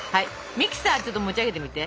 ミキサーちょっと持ち上げてみて。